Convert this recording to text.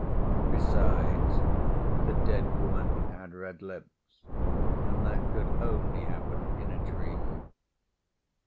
Besides, the dead woman had red lips, and that could only happen in a dream.